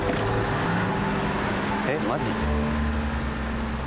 えっマジ？